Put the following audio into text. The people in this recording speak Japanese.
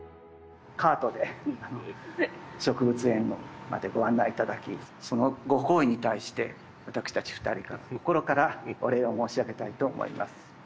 カートで植物園までご案内いただき、そのご厚意に対して、私たち２人から、心からお礼を申し上げたいと思います。